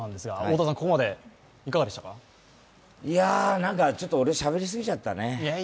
なんかちょっと、俺しゃべりすぎちゃったね。